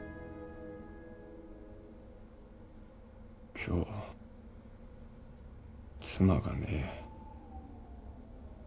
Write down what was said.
今日妻がね。